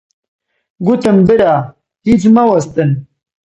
گوتم: برا هیچ مەوەستن!